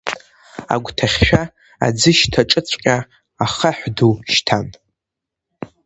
Агәҭахьшәа аӡышьҭаҿыҵәҟьа ахаҳә ду шьҭан.